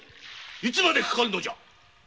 いつまでかかるのじゃ！